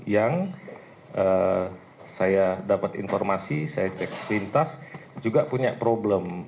yang saya dapat informasi saya cek pintas juga punya problem